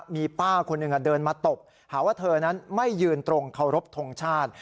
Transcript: มีป้าคนหนึ่งเดินมาตบหาว่าเธอนั้นไม่ยืนตรงเคารพทงชาติ